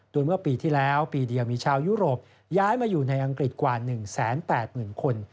โดยเมื่อปีที่แล้วปีเดียวมีชาวยุโรปย้ายมาอยู่ในอังกฤษกว่า๑๘๐๐๐คน